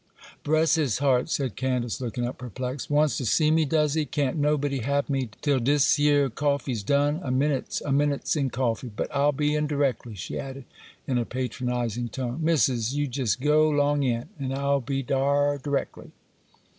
'Bress his heart!' said Candace, looking up, perplexed. 'Wants to see me, does he? Can't nobody hab me till dis yer coffee's done; a minnit's a minnit in coffee;—but I'll be in dereckly,' she added, in a patronising tone. 'Missis, you jes' go 'long in, an' I'll be dar dereckly.